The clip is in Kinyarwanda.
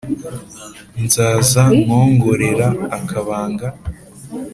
nzaza nkongorera akabanga